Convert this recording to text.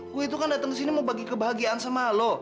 ku itu kan datang ke sini mau bagi kebahagiaan sama lo